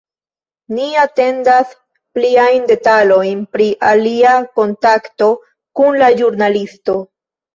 Ni atendas pliajn detalojn pri ilia kontakto kun la ĵurnalisto.